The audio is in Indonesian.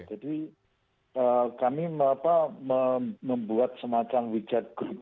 jadi kami membuat semacam widget group